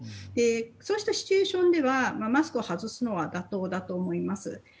そうしたシチュエーションではマスクを外すのは妥当だと思います。